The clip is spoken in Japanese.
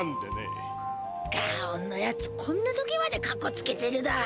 ガオンのやつこんな時までかっこつけてるだ。